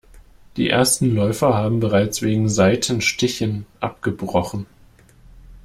Die ersten Läufer haben bereits wegen Seitenstichen abgebrochen.